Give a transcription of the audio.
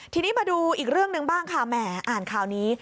ทีนี้มาดูอีกเรื่องหนึ่งบ้างค่ะแหมอ่านข่าวนี้